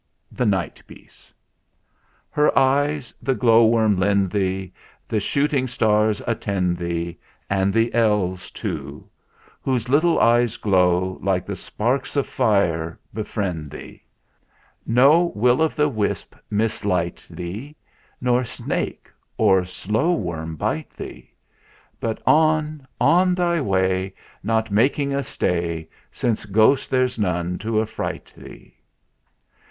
The Night piece. i. "Her Eyes the Glow worme lend thee, The Shooting Starres attend thee; And the Elves also, 200 THE FLINT HEART Whose little eyes glow Like the sparks of fire, befriend thee. n. "No Will o' th' Wispe mis light thee, Nor Snake, or Slow worme bite thee, But on, on thy way, Not making a stay, Since Ghost there's none to affright thee.